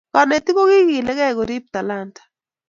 kanetik kokilikei korip talanta